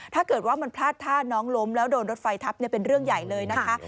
ถ้าเกิดว่ามันพลาดท่าน้องล้มแล้วโดนรถไฟทับเป็นเรื่องใหญ่เลยนะคะ